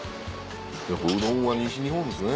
やっぱうどんは西日本ですね。